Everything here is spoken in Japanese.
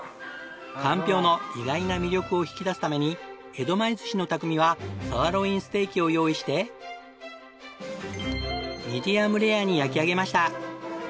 かんぴょうの意外な魅力を引き出すために江戸前寿司の匠はサーロインステーキを用意してミディアムレアに焼き上げました。